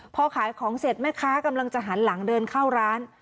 พอขายของเสร็จแม่ค้ากำลังจะหันหลังเดินเข้าร้าน